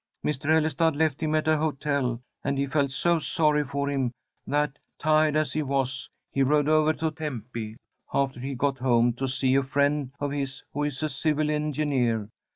"Mr. Ellestad left him at a hotel, and he felt so sorry for him that, tired as he was, he rode over to Tempe, after he got home, to see a friend of his who is a civil engineer.